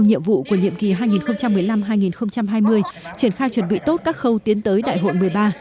nhiệm vụ của nhiệm kỳ hai nghìn một mươi năm hai nghìn hai mươi triển khai chuẩn bị tốt các khâu tiến tới đại hội một mươi ba